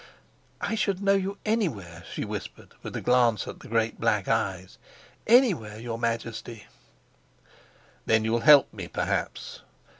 "I should know you anywhere," she whispered, with a glance of the great black eyes. "Anywhere, your Majesty." "Then you'll help me, perhaps?"